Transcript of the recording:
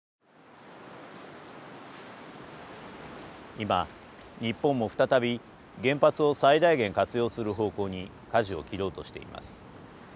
今日本も再び原発を最大限活用する方向にかじを切ろうとしています。